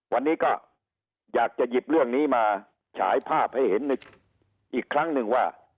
วันนี้ก็อยากจะหยิบเรื่องนี้มาฉายภาพให้เห็นอีกครั้งหนึ่งว่า